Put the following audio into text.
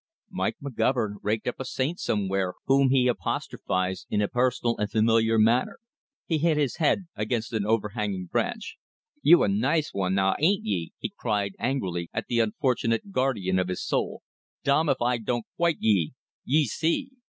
Mike McGovern raked up a saint somewhere whom he apostrophized in a personal and familiar manner. He hit his head against an overhanging branch. "You're a nice wan, now ain't ye?" he cried angrily at the unfortunate guardian of his soul. "Dom if Oi don't quit ye! Ye see!"